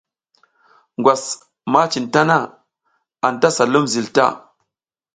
Ngwas ma cin mi tana, anta sa lum zil ta.